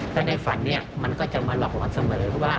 แต่ในฝันเนี่ยมันก็จะมาหลอกหลอนเสมอว่า